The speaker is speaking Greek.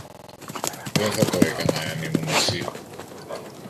Δεν θα το έκανα εάν ήμουν εσύ.